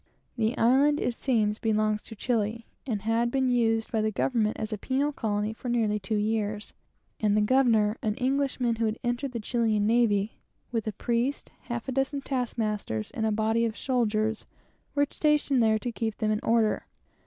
The island, it seems, belongs to Chili, and had been used by the government as a sort of Botany Bay for nearly two years; and the governor an Englishman who had entered the Chilian navy with a priest, half a dozen task masters, and a body of soldiers, were stationed there to keep them in order.